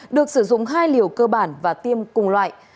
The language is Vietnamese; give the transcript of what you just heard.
được sử dụng hai liều cơ bản và tiêm cùng loại